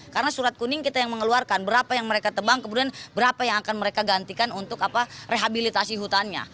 karena surat kuning kita yang mengeluarkan berapa yang mereka tebang kemudian berapa yang akan mereka gantikan untuk rehabilitasi hutannya